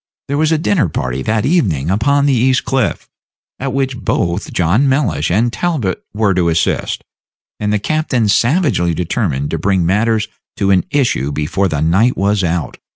There was a dinner party that evening upon the East Cliff, at which both John Mellish and Talbot were to assist, and the captain savagely determined to bring matters to an issue before the night was out.